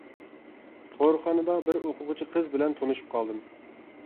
تورخانىدا بىر ئوقۇغۇچى قىز بىلەن تونۇشۇپ قالدىم.